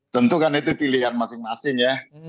tentu kan itu pilihan masing masing ya